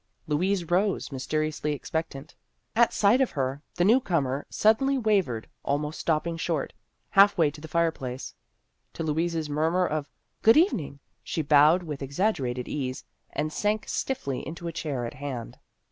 Louise rose, mysteriously expectant. At sight of her, the newcomer suddenly wavered, almost stopping short, half way to the fireplace. To Louise's murmur of " Good evening," she bowed with exag gerated ease, and sank stiffly into a chair at hand.